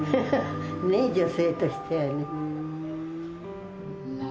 ねえ女性としてはね。